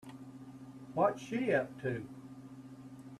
What's she up to?